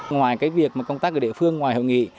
ngoài việc công tác ở địa phương ngoài hội nghị